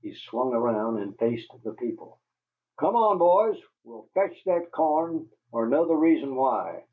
He swung around and faced the people. "Come on, boys! We'll fetch that corn, or know the reason why."